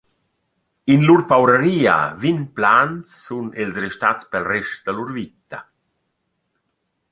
In lur pauraria vi’n Plans sun els restats pel rest da lur vita.